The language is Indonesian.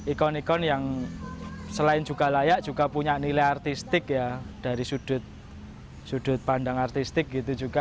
ikon ikon yang selain juga layak juga punya nilai artistik ya dari sudut pandang artistik gitu juga